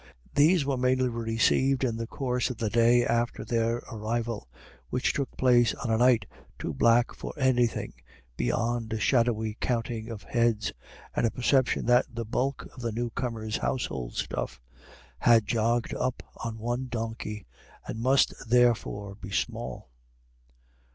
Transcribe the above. These were mainly received in the course of the day after their arrival, which took place on a night too black for anything beyond a shadowy counting of heads, and a perception that the bulk of the new comers' household stuff had jogged up on one donkey, and must therefore be small.